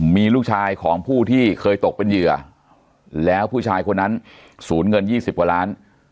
มีลูกชายของผู้ที่เคยตกเป็นเหยื่อแล้วผู้ชายคนนั้นสูญเงิน๒๐กว่าล้าน